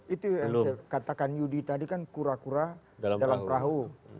itu yang saya katakan yudi tadi kan kura kura dalam perahu